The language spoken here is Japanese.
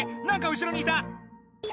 なんか後ろにいた。